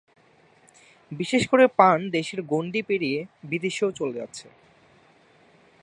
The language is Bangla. বিশেষ করে পান দেশের গণ্ডি পেরিয়ে বিদেশেও চলে যাচ্ছে।